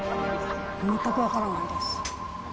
全く分からないです。